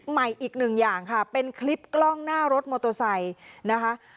อีกหนึ่งอย่างค่ะเป็นคลิปกล้องหน้ารถมอเตอร์ไซค์นะคะ